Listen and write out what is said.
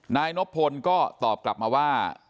นายนบพลก็ตอบกลับมาว่า